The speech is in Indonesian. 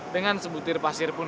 dengan sebutir pasir pun